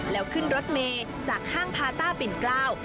แล้วขึ้นรถเมย์จากห้างพาต้าปิ่นเกล้า